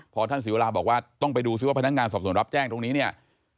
พอท่านศิวราบอกว่าต้องไปดูซิว่าพนักงานสอบส่วนรับแจ้งตรงนี้เนี่ย